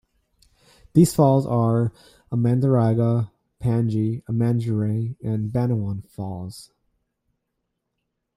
These falls are Amandaraga, Pange, Amanjuray, and Ban-Awan Falls.